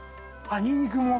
あっにんにくも。